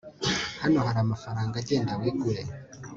hano hari amafaranga genda wigure